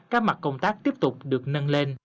các mặt công tác tiếp tục được nâng lên